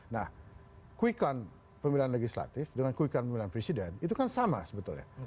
nah quick count pemilihan legislatif dengan quick count pemilihan presiden itu kan sama sebetulnya